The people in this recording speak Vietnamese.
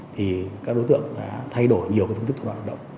thì các đối tượng đã thay đổi nhiều phương tức tội phạm